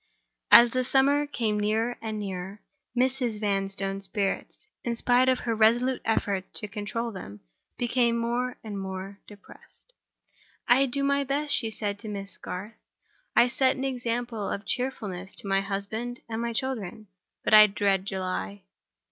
As the summer came nearer and nearer, Mrs. Vanstone's spirits, in spite of her resolute efforts to control them, became more and more depressed. "I do my best," she said to Miss Garth; "I set an example of cheerfulness to my husband and my children—but I dread July."